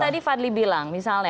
tadi fadli bilang misalnya